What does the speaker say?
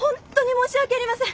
申し訳ありません。